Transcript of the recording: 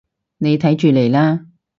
你睇住嚟啦